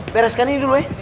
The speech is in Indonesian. bereskan ini dulu ya